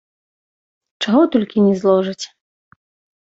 Чаго толькі не зложаць.